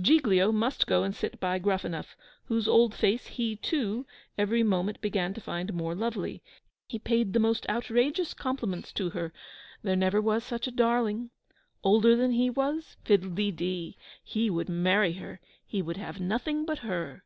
Giglio must go and sit by Gruffanuff, whose old face he, too, every moment began to find more lovely. He paid the most outrageous compliments to her: There never was such a darling. Older than he was? Fiddle de dee! He would marry her he would have nothing but her!